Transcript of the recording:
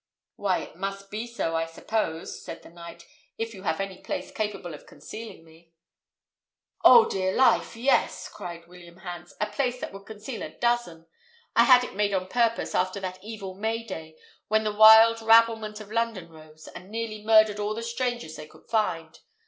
"Why, it must be so, I suppose," said the knight, "if you have any place capable of concealing me." "Oh, dear life, yes!" cried William Hans; "a place that would conceal a dozen. I had it made on purpose after that evil May day, when the wild rabblement of London rose, and nearly murdered all the strangers they could find.